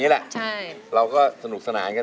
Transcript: เมื่อสักครู่นี้ถูกต้องทั้งหมด